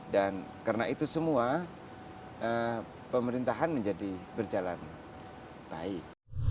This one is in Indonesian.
dan karena itu semua pemerintahan menjadi berjalan baik